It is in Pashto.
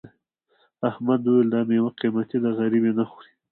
احمد وویل دا میوه قيمتي ده غريب یې نه خوري.